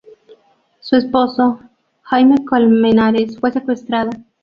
Su esposo, Jaime Colmenares, fue secuestrado.